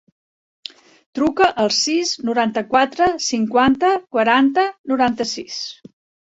Truca al sis, noranta-quatre, cinquanta, quaranta, noranta-sis.